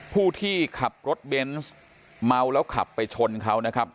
ผู้ที่ขับรถเบนส์เมาแล้วขับไปชนเขานะครับ